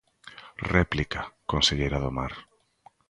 Réplica, conselleira do Mar.